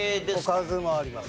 おかずもあります。